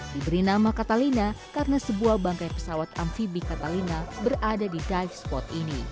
diberi nama catalina karena sebuah bangkai pesawat amfibi katalina berada di dive spot ini